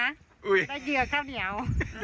ได้เยือกข้าวเหนียว